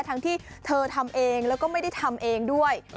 ทั้งที่เธอทำเองแล้วก็ไม่ได้ทำเองด้วย